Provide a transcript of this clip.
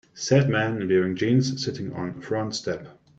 Sad man wearing jeans sitting on front step.